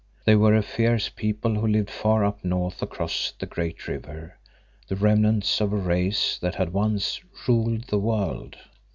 They were a fierce people who lived far up north across the Great River, the remnants of a race that had once "ruled the world."